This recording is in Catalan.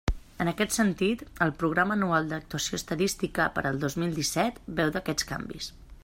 En aquest sentit, el Programa anual d'actuació estadística per al dos mil disset beu d'aquests canvis.